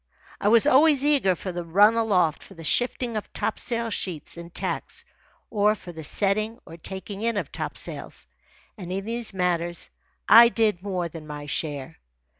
I was always eager for the run aloft for the shifting of topsail sheets and tacks, or for the setting or taking in of topsails; and in these matters I did more than my share.